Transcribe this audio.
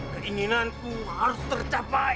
keinginanku harus tercapai